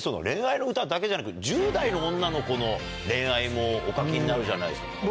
恋愛の歌だけじゃなく１０代の女の子の恋愛もお書きになるじゃないですか。